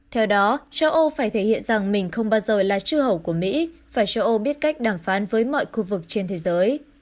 theo đó châu âu phải thể hiện rằng mình không bao giờ là chưa hầu của mỹ phải châu âu biết cách đàm phán với mọi khu vực trên thế giới